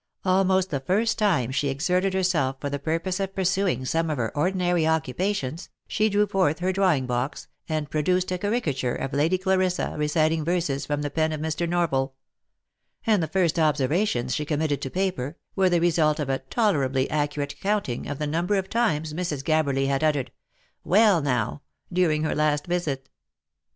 Almost the first time she exerted herself for the purpose of pursuing some of her ordinary occupations, she drew forth her drawing box, and produced a caricature of Lady Clarissa reciting verses from the pen of Mr. Norval; and the first observations she committed to paper, were the result of a tolerably accurate counting of the num ber of times Mrs. Gabberly had uttered " Well now!" during her last visit.